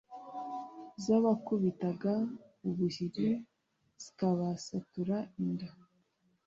zabakubitaga ubuhiri zikabasatura inda a